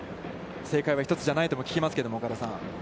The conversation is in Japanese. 正解は一つじゃないとも聞きますけど、岡田さん。